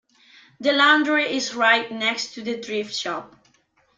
The laundry is right next to the thrift shop.